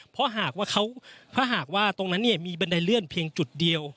เพราะหากว่าเขาถ้าหากว่าตรงนั้นเนี่ยมีบันไดเลื่อนเพียงจุดเดียว